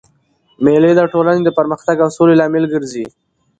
مېلې د ټولني د پرمختګ او سولي لامل ګرځي.